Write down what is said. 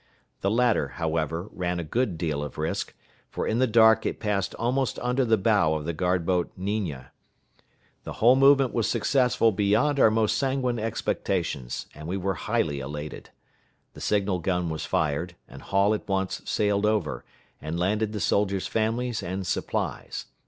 The latter, however, ran a good deal of risk, for in the dark it passed almost under the bow of the guard boat Niña. The whole movement was successful beyond our most sanguine expectations, and we were highly elated. The signal gun was fired, and Hall at once sailed over, and landed the soldiers' families and supplies.